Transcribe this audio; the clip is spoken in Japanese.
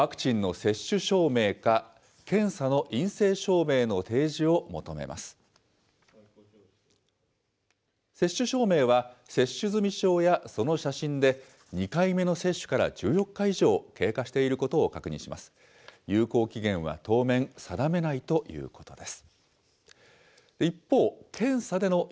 接種証明は、接種済証やその写真で２回目の接種から１４日以上経過していることを有効期限は当面定めないということです。